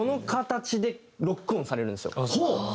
ほう！